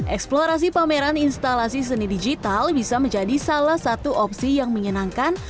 eksplorasi pameran instalasi seni digital bisa menjadi salah satu opsi yang menyenangkan